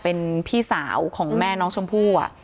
เป็นพี่สาวของแม่น้องชมพู่